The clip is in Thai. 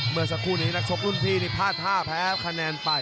เมื่อสักครู่นี้นักชกรุ่นพี่นี่พลาดท่าแพ้คะแนนไป